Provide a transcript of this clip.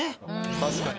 確かに。